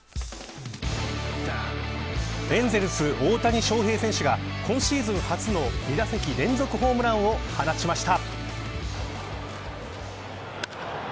エンゼルス、大谷翔平選手が今シーズン初の２打席連続ホームランを放ちました。